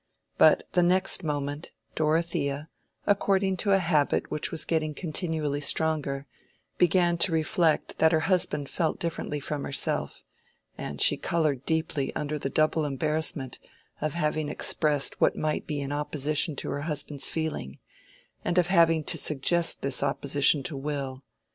But the next moment, Dorothea, according to a habit which was getting continually stronger, began to reflect that her husband felt differently from herself, and she colored deeply under the double embarrassment of having expressed what might be in opposition to her husband's feeling, and of having to suggest this opposition to Will.